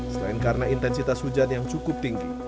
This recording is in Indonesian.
selain karena intensitas hujan yang cukup tinggi